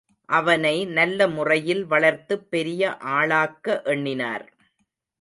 அவனை நல்லமுறையில் வளர்த்துப் பெரிய ஆளாக்க எண்ணினார்.